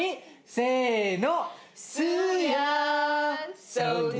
せの。